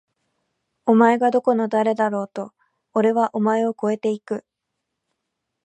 お前がどこの誰だろうと！！おれはお前を超えて行く！！